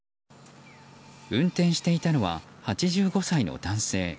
運転していたのは８５歳の男性。